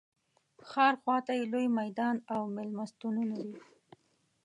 ښار خواته یې لوی میدان او مېلمستونونه دي.